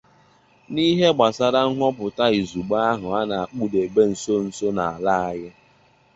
N'ihe gbasaara nhọpụta izùgbe ahụ a na-akpụdòbe nso nso a n'ala anyị